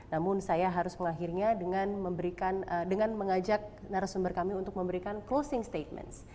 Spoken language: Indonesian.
namun saya harus mengakhirnya dengan mengajak narasumber kami untuk memberikan closing statement